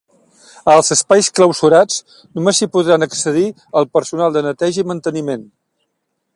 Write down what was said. Als espais clausurats només hi podran accedir el personal de neteja i manteniment.